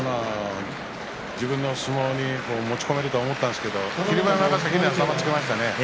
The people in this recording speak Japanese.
自分の相撲に持ち込めると思ったんですけど霧馬山が先に頭をつけましたね。